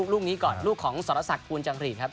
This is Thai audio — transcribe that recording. ลูกนี้ก่อนลูกของสรษักภูลจังหรีดครับ